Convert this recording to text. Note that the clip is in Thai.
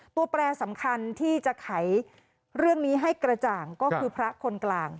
แปรสำคัญที่จะไขเรื่องนี้ให้กระจ่างก็คือพระคนกลาง